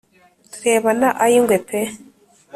turebana ay'ingwe pe